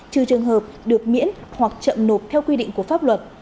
trừ trường hợp được miễn hoặc chậm nộp theo quy định của pháp luật